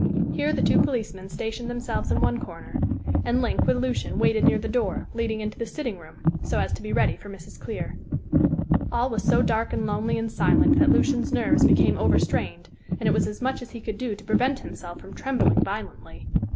Here the two policemen stationed themselves in one corner; and Link, with Lucian, waited near the door leading into the sitting room, so as to be ready for Mrs. Clear. All was so dark and lonely and silent that Lucian's nerves became over strained, and it was as much as he could do to prevent himself from trembling violently.